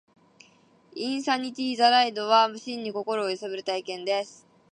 インサニティ・ザ・ライドは、真に心を揺さぶる体験です